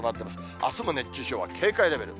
あすも熱中症は警戒レベル。